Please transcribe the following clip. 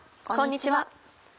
こんにちは。